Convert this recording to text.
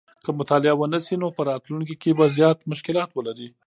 که مطالعه ونه شي نو په راتلونکي کې به زیات مشکلات ولري